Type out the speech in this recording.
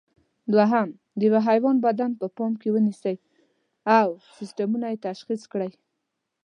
دوهم: د یوه حیوان بدن په پام کې ونیسئ او سیسټمونه یې تشخیص کړئ.